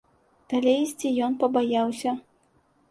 Далей ісці ён пабаяўся.